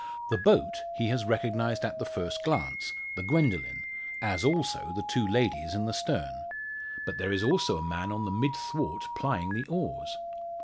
The boat he has recognised at the first glance the Gwendoline as also the two ladies in the stern. But there is also a man on the mid thwart plying the oars.